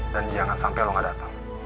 dan jangan sampai lo gak datang